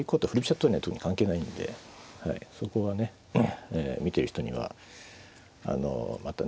党には特に関係ないんでそこはね見てる人にはまたね